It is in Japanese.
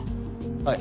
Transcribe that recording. はい。